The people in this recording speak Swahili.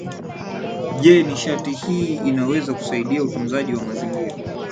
je nishati hii inaweza kusaidia utunzaji wa mazingira